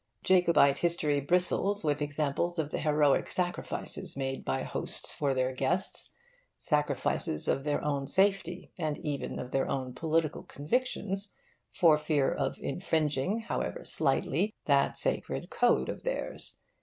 Jacobite history bristles with examples of the heroic sacrifices made by hosts for their guests, sacrifices of their own safety and even of their own political convictions, for fear of infringing, however slightly, that sacred code of theirs.